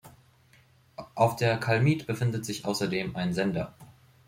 Auf der Kalmit befindet sich außerdem ein Sender.